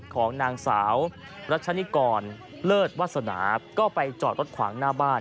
ของนางสาวรัชนิกรเลิศวาสนาก็ไปจอดรถขวางหน้าบ้าน